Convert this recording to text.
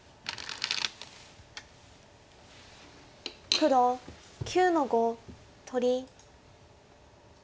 黒９の五取り。